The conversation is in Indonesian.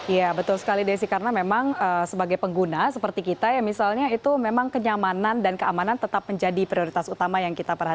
iya betul sekali desi karena memang sebagai pengguna seperti kita ya misalnya itu memang kenyamanan dan keamanan tetap menjadi prioritas utama yang kita perhatikan